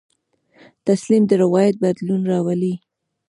تسلیم د روایت بدلون راولي.